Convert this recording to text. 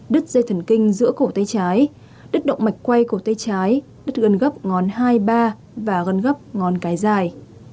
đứt dây thần kinh giữa cổ tay trái đứt động mạch quay cổ tay trái đứt gân gấp ngón hai ba và gân gấp ngón cái dài